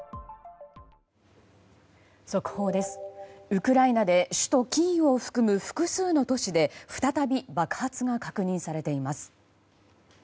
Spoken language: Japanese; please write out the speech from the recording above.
ウクライナで首都キーウを含む複数の都市で再び爆発が確認されています。